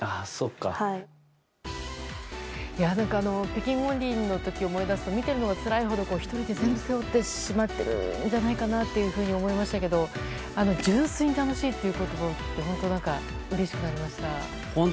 北京五輪の時を思い出すと見ているのがつらいほど１人で全部背負ってしまっているんじゃないかなと思いましたけど純粋に楽しいっていう言葉を聞いて本当、うれしくなりました。